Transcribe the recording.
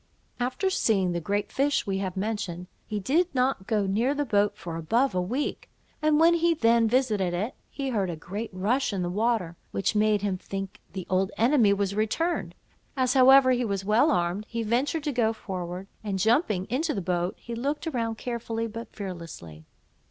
After seeing the great fish we have mentioned, he did not go near the boat for above a week; and when he then visited it, he heard a great rush in the water, which made him think the old enemy was returned; as however, he was well armed, he ventured to go forward, and jumping into the boat, he looked around carefully but fearlessly.